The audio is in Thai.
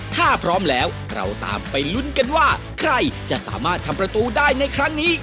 ถ้าพร้อมแล้วเราตามไปลุ้นกันว่าใครจะสามารถทำประตูได้ในครั้งนี้